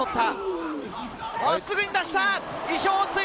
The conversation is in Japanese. すぐに出した！